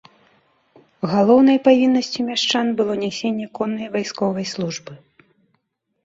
Галоўнай павіннасцю мяшчан было нясенне коннай вайсковай службы.